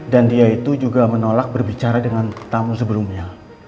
dia itu juga menolak berbicara dengan tamu sebelumnya